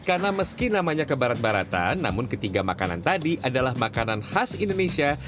karena meski namanya kebarat baratan namun ketiga makanan tadi adalah makanan khas indonesia